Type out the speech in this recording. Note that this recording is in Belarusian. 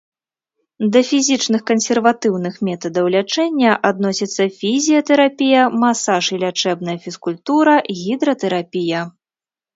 Да фізічных кансерватыўных метадаў лячэння адносяцца фізіятэрапія, масаж і лячэбная фізкультура, гідратэрапія.